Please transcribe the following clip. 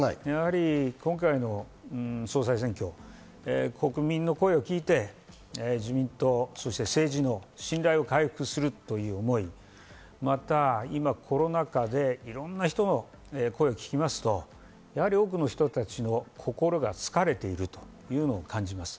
今回の総裁選挙、国民の声を聞いて自民党、そして政治の信頼を回復するという思い、今コロナ禍でいろんな人の声を聞きますと、多くの人の心が疲れているというのを感じます。